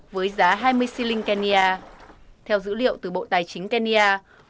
với giá hai mươi el kenya theo dữ liệu từ bộ tài chính kenya